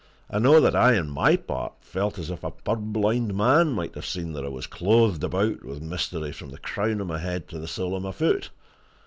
I know that I, on my part, felt as if a purblind man might have seen that I was clothed about with mystery from the crown of my head to the sole of my foot!